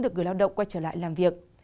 được người lao động quay trở lại làm việc